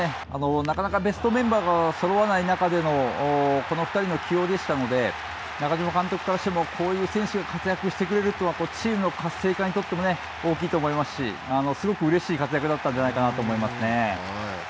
なかなかベストメンバーがそろわない中でのこの２人の起用でしたので、中嶋監督からしてもこういう選手が活躍してくれるのはチームの活性化にとっても大きいと思いますし、すごくうれしい活躍だったんじゃないかなと思いますね。